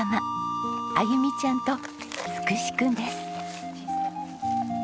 あゆみちゃんとつくしくんです。